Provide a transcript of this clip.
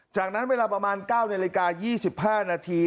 จากนั้นเวลาประมาณ๙นาฬิกา๒๕นาที